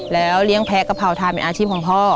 แล้วเลี้ยงแพ้กะเพราทานเป็นอาชีพของพ่อ